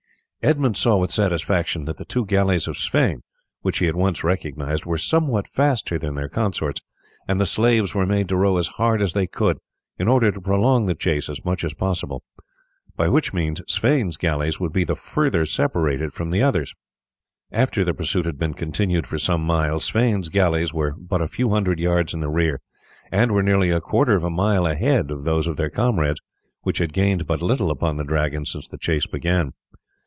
Edmund saw with satisfaction that the two galleys of Sweyn, which he at once recognized, were somewhat faster than their consorts, and the slaves were made to row as hard as they could in order to prolong the chase as much as possible, by which means Sweyn's galleys would be the further separated from the others. After the pursuit had been continued for some miles Sweyn's galleys were but a few hundred yards in the rear, and were nearly a quarter of a mile ahead of those of their comrades, which had gained but little upon the Dragon since the chase began.